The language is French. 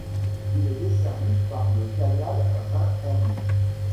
Il est desservi par le canal Rhin-Herne.